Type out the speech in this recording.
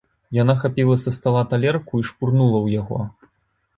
Яна хапіла са стала талерку і шпурнула ў яго.